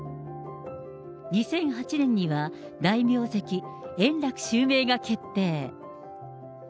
２００８年には大名跡、円楽襲名が決定。